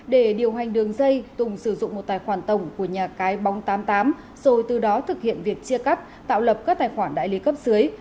để điều hành đường dây tùng sử dụng một tài khoản tổng của nhà cái bóng tám mươi tám rồi từ đó thực hiện việc chia cắt tạo lập các tài khoản đại lý cấp dưới